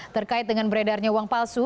terkait dengan beredarnya uang palsu